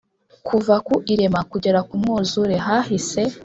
kuva ku irema kugera ku mwuzure, hahise